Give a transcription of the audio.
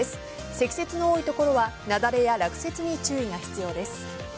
積雪の多い所は雪崩や落雪に注意が必要です。